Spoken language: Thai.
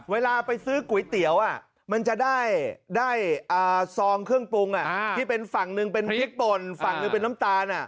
เวลาไปซื้อก๋วยเตี๋ยวมันจะได้ซองเครื่องปรุงที่เป็นฝั่งหนึ่งเป็นพริกป่นฝั่งหนึ่งเป็นน้ำตาล